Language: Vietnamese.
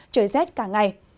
trời rét cả ngày